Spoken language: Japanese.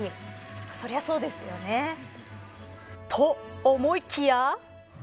そりゃそうですよね。と思いきや。